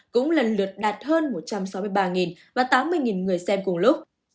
cũng lần lượt đạt hơn một trăm sáu mươi ba và tám mươi người xem cùng lúc